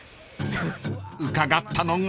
［伺ったのが］